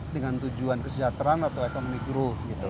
dengan tujuan kesejahteraan atau economic growth gitu